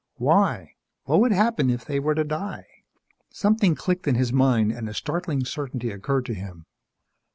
Why? What would happen if they were to die? Something clicked in his mind and a startling certainty occurred to him.